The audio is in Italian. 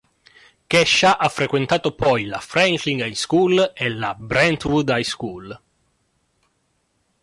Kesha ha frequentato poi la Franklin High School e la Brentwood High School.